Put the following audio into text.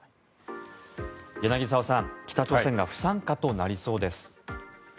柳澤さん、北朝鮮が不参加となりそうです。